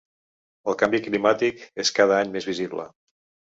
El canvi climàtic és cada any més visible.